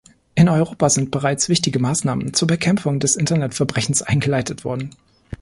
In Europa sind bereits wichtige Maßnahmen zur Bekämpfung des Internetverbrechens eingeleitet worden.